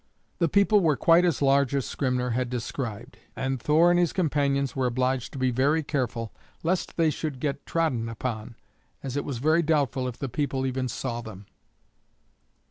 The people were quite as large as Skrymner had described and Thor and his companions were obliged to be very careful lest they should get trodden upon, as it was very doubtful if the people even saw them.